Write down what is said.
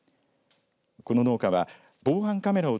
この農家は防犯カメラを